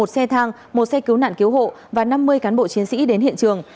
một xe thang một xe cứu nạn cứu hộ và năm mươi cán bộ chiến sĩ đến hiện trường